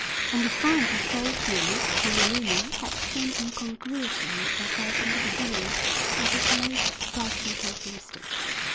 And the friend who showed me Honolulu had the same incongruity which I felt from the beginning was its most striking characteristic.